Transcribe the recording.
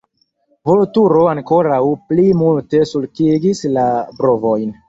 Vulturo ankoraŭ pli multe sulkigis la brovojn.